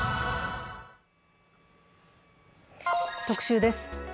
特集です。